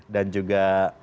dan juga ada